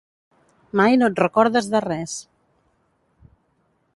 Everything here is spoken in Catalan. Mai no et recordes de res.